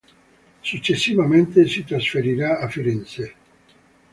Successivamente si trasferirà a Firenze.